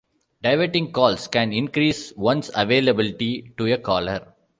Diverting calls can increase one's availability to a caller.